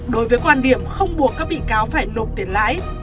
đối với quan điểm không buộc các bị cáo phải nộp tiền lãi